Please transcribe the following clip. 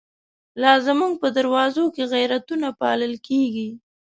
لازموږ په دروازوکی، غیرتونه پالل کیږی